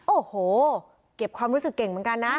โอ้โหเก็บความรู้สึกเก่งเหมือนกันนะ